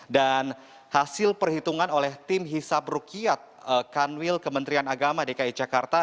dan hasil perhitungan oleh tim hisab rukyat kanwil kementerian agama dki jakarta